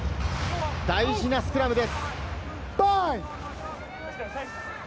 大事なスクラムです。